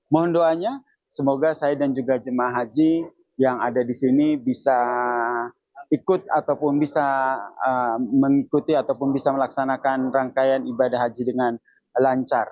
mohon doanya semoga saya dan juga jemaah haji yang ada di sini bisa ikut ataupun bisa mengikuti ataupun bisa melaksanakan rangkaian ibadah haji dengan lancar